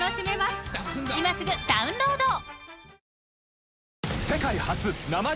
［今すぐダウンロード！］